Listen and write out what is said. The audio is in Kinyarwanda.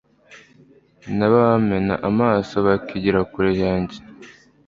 n’abamena amaraso bakigira kure yanjye